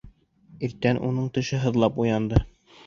Иртән уның теше һыҙлап уянды.